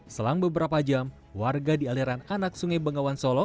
selang beberapa jam warga di aliran anak sungai bengawan solo